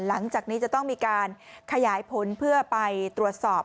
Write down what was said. หลังจากนี้จะต้องมีการขยายผลเพื่อไปตรวจสอบ